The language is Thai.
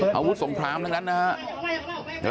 โอ้โหยังไม่หยุดนะครับ